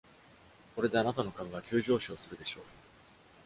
これであなたの株は急上昇するでしょう。